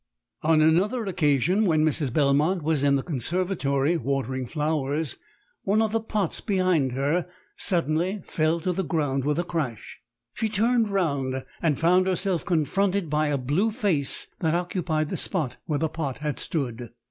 "On another occasion, when Mrs. Belmont was in the conservatory watering flowers, one of the pots behind her suddenly fell to the ground with a crash. "She turned round and found herself confronted by a blue face that occupied the spot where the pot had stood.